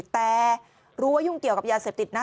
แต่รู้ว่ายุ่งเกี่ยวกับยาเสพติดนะ